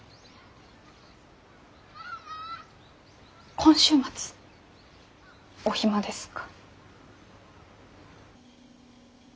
今週末お暇ですか？